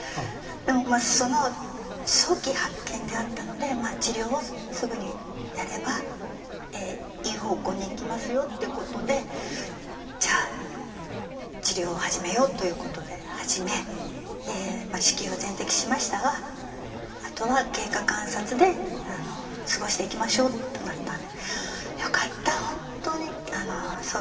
でもその「早期発見であったので治療をすぐにやればいい方向にいきますよ」ってことでじゃあ治療を始めようということで始め子宮は全摘しましたがあとは経過観察で過ごしていきましょうとなったんで良かった。